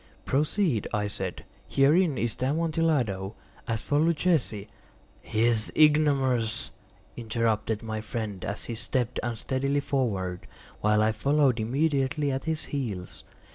"Proceed," I said; "herein is the Amontillado. As for Luchesi—" "He is an ignoramus," interrupted my friend, as he stepped unsteadily forward, while I followed immediately at his heels.